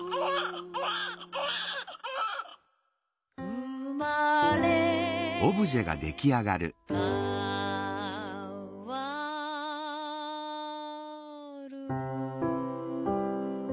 「うまれかわる」